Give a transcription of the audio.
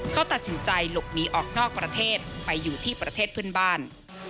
เขาตัดสินใจหลบหนีออกนอกประเทศไปอยู่ที่ประเทศเพื่อนบ้าน